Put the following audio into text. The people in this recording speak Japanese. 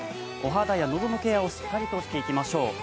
お肌や喉のケアをしっかりとしていきましょう。